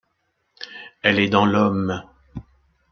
Elle est dans l’homme.